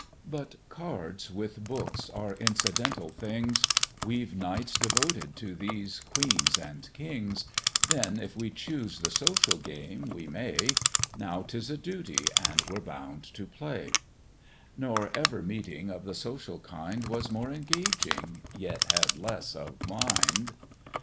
But Cards with Books are incidental things; We've nights devoted to these queens and kings: Then if we choose the social game, we may; Now 'tis a duty, and we're bound to play; Nor ever meeting of the social kind Was more engaging, yet had less of mind.